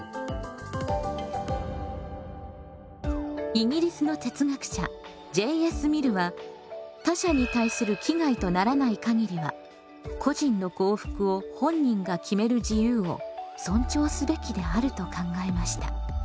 イギリスの哲学者Ｊ．Ｓ．ミルは他者に対する危害とならないかぎりは個人の幸福を本人が決める自由を尊重すべきであると考えました。